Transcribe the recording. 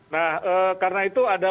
nah karena itu ada